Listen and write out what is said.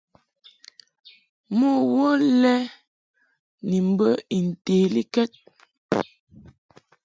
Mo wo lɛ ni mbə I ntelikɛd.